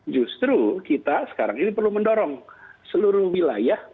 justru kita sekarang ini perlu mendorong seluruh wilayah